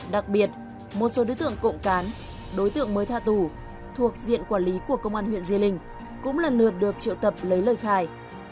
đặc biệt một số đối tượng cộng cán đối tượng mới tha tù thuộc diện quản lý của công an huyện diên linh cũng lần lượt được triệu tập lấy lời khai